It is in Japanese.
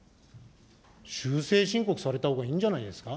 修正申告されたほうがいいんじゃないですか。